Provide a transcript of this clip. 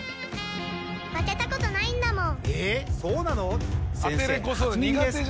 負けたことないんだもん。